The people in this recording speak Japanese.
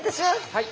はい！